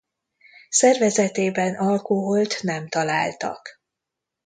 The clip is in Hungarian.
Szervezetében alkoholt nem találtak.